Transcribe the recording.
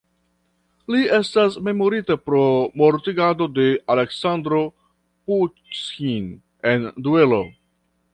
Li estas memorita pro mortigado de Aleksandro Puŝkin en duelo.